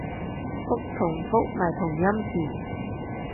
覆同復咪同音字